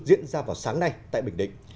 diễn ra vào sáng nay tại bình định